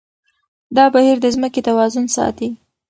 دا بهير د ځمکې توازن ساتي.